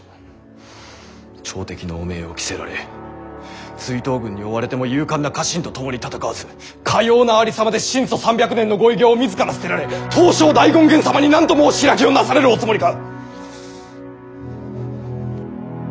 朝敵の汚名を着せられ追討軍に追われても勇敢な家臣と共に戦わずかようなありさまで神祖三百年のご偉業を自ら捨てられ東照大権現様に何と申し開きをなされるおつもりか！」。